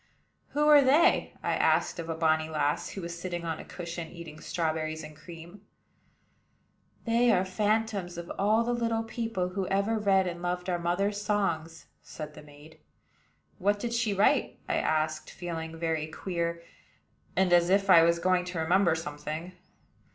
"Who are they?" I asked of a bonny lass, who was sitting on a cushion, eating strawberries and cream. "They are the phantoms of all the little people who ever read and loved our mother's songs," said the maid. "What did she write?" I asked, feeling very queer, and as if I was going to remember something.